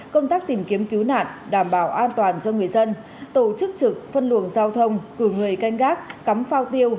công tác tìm kiếm cứu nạn đảm bảo an toàn cho người dân tổ chức trực phân luồng giao thông cử người canh gác cắm phao tiêu